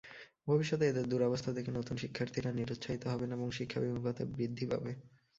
ভবিষ্যতে এঁদের দুরবস্থা দেখে নতুন শিক্ষার্থীরা নিরুৎসাহী হবেন এবং শিক্ষাবিমুখতা বৃদ্ধি পাবে।